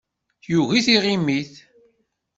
Yugi tiɣimit.